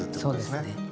そうですね。